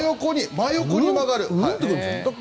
真横に曲がる。